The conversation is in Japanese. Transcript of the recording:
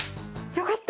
よかった。